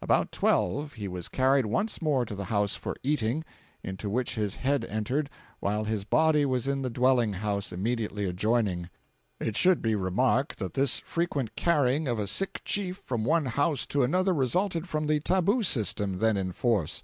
About twelve he was carried once more to the house for eating, into which his head entered, while his body was in the dwelling house immediately adjoining. It should be remarked that this frequent carrying of a sick chief from one house to another resulted from the tabu system, then in force.